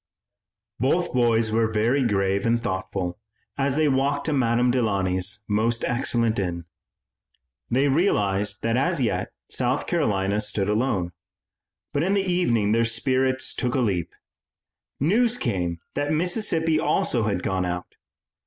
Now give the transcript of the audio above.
Both boys were very grave and thoughtful as they walked to Madame Delaunay's most excellent inn. They realized that as yet South Carolina stood alone, but in the evening their spirits took a leap. News came that Mississippi also had gone out.